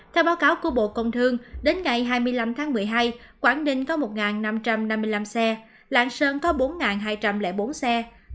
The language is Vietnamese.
theo báo cáo của bộ công thương đến ngày hai mươi năm tháng một mươi hai quảng ninh có một năm trăm năm mươi năm xe lạng sơn có bốn hai trăm linh bốn xe